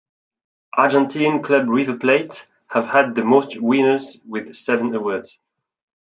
Argentine club River Plate have had the most winners with seven awards.